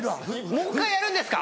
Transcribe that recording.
もう１回やるんですか